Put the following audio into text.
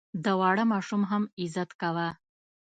د واړه ماشوم هم عزت کوه.